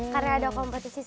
karena ada kompetisi science